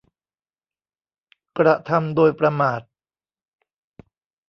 กระทำโดยประมาท